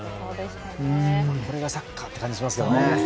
これがサッカーっていう感じがしますね。